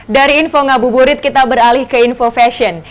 dari info ngabuburit kita beralih ke info fashion